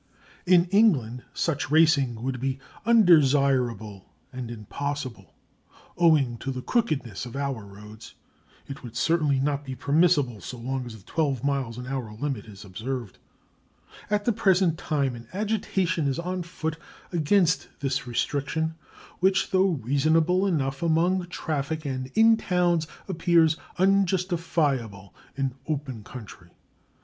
In England such racing would be undesirable and impossible, owing to the crookedness of our roads. It would certainly not be permissible so long as the 12 miles an hour limit is observed. At the present time an agitation is on foot against this restriction, which, though reasonable enough among traffic and in towns, appears unjustifiable in open country.